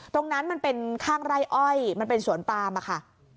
ตรงนั้นมันเป็นข้างไร่อ้อยมันเป็นสวนปามอะค่ะ